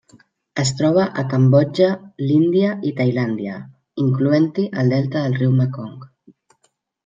Es troba a Cambodja, l'Índia i Tailàndia, incloent-hi el delta del riu Mekong.